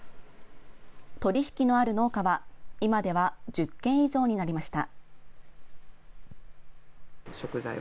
取り引きのある農家は、今では１０軒以上になりました。